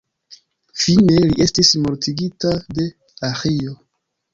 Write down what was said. Fine, li estis mortigita de Aĥilo.